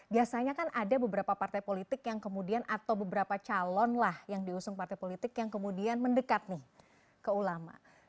biasanya kan ada beberapa partai politik yang kemudian atau beberapa calon lah yang diusung partai politik yang kemudian mendekat nih ke ulama